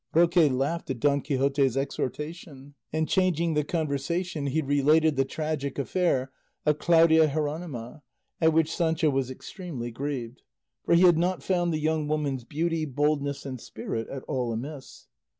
Roque laughed at Don Quixote's exhortation, and changing the conversation he related the tragic affair of Claudia Jeronima, at which Sancho was extremely grieved; for he had not found the young woman's beauty, boldness, and spirit at all amiss.